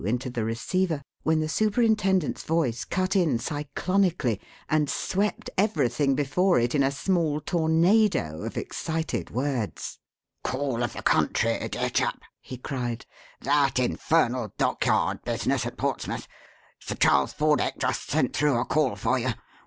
into the receiver, when the superintendent's voice cut in cyclonically and swept everything before it in a small tornado of excited words. "Call of the Country, dear chap!" he cried. "That infernal dockyard business at Portsmouth. Sir Charles Fordeck just sent through a call for you.